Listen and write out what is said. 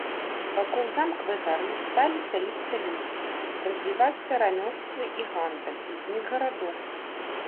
Вакол замкавай гары сталі сяліцца людзі, развівацца рамёствы і гандаль, узнік гарадок.